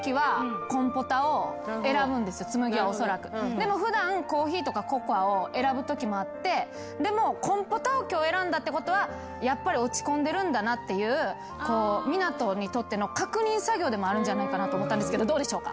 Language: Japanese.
でも普段コーヒーとかココアを選ぶときもあってでもコンポタを今日選んだってことはやっぱり落ち込んでるんだなっていう湊斗にとっての確認作業でもあるんじゃないかなと思ったんですけどどうでしょうか？